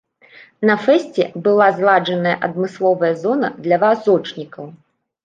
На фэсце была зладжаная адмысловая зона для вазочнікаў.